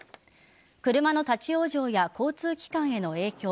車の立ち往生や交通機関への影響